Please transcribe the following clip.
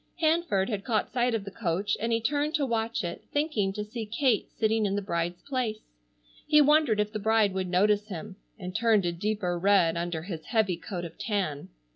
Hanford had caught sight of the coach and he turned to watch it thinking to see Kate sitting in the bride's place. He wondered if the bride would notice him, and turned a deeper red under his heavy coat of tan.